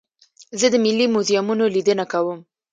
زه د ملي موزیمونو لیدنه کوم.